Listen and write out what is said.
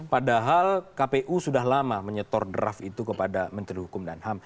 padahal kpu sudah lama menyetor draft itu kepada menteri hukum dan ham